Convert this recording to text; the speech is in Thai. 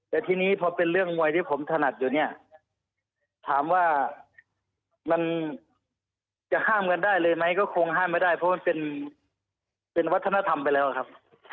แต่ทีนี้พอเป็นเรื่องมวยที่ผมถนัดอยู่เนี่ยถามว่ามันจะห้ามกันได้เลยไหมก็คงห้ามไม่ได้เพราะมันเป็นวัฒนธรรมไปแล้วครับ